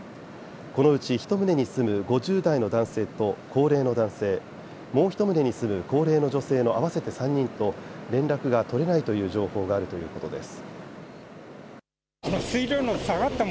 このうち１棟に住む５０代の男性と高齢の男性、もう１棟に住む高齢の女性の合わせて３人と連絡が取れないという情報があるということです。